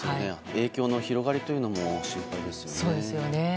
影響の広がりというのも心配ですよね。